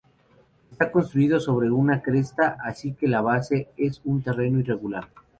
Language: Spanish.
Está construido sobre una cresta, así que la base es un terreno irregular.